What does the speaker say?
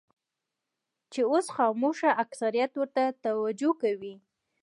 چې اوس خاموش اکثریت ورته توجه کوي.